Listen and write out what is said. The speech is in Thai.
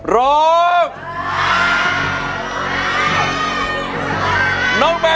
ร้องได้